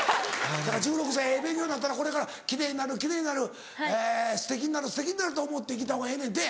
だから１６歳ええ勉強になったなこれから「奇麗になる奇麗になるすてきになるすてきになる」って思って生きたほうがええねんて。